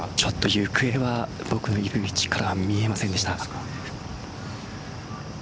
行方は僕のいる位置からは見えませんでした。